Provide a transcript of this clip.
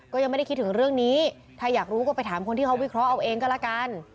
ก็ยังไม่ได้คิดถึงเรื่องนี้ถ้าอยากรู้ก็ไปถามคนที่เขาวิเคราะห์เอาเองก็ละกัน